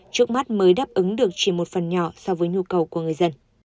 trước mắt mới đáp ứng được chỉ một phần nhỏ so với nhu cầu của người dân